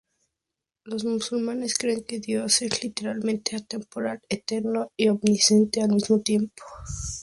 Los musulmanes creen que Dios es literalmente atemporal, eterno y omnisciente al mismo tiempo.